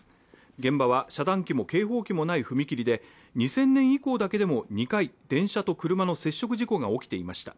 現場は遮断機も警報機もない踏切で、２０００年以降だけでも２回電車と車の接触事故が起きていました。